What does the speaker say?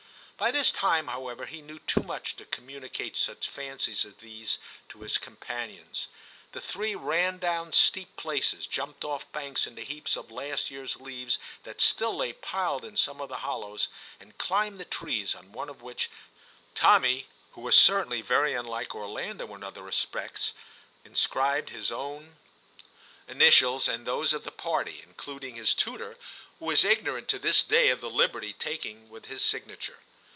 By this time, however, he knew too much to communicate such fancies as these to his companions. The three ran down steep places, jumped off banks into heaps of last year s leaves that still lay piled in some of the hollows, and climbed the trees, on one of which Tommy, who was certainly very unlike Orlando in other respects, inscribed his own 154 TIM CHAP. initials and those of the party, including his tutor, who is ignorant to this day of the liberty taken with his signature.